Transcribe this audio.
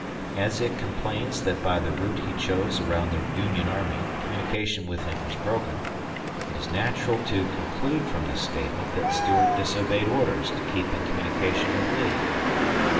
As it complains that by the route he chose around the Union army communication with him was broken, it is natural to conclude from this statement. that Stuart disobeyed orders to keep in communication with Lee.